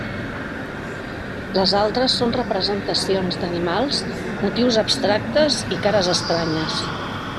Les altres són representacions d'animals, motius abstractes i cares estranyes.